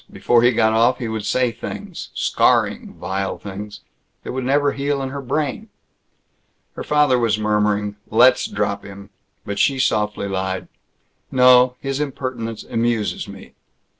Before he got off he would say things scarring, vile things, that would never heal in her brain. Her father was murmuring, "Let's drop him," but she softly lied, "No. His impertinence amuses me."